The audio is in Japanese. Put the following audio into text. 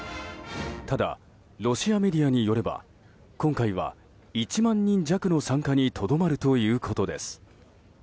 ただ、ロシアメディアによれば今回は１万人弱の参加にとどまるということです。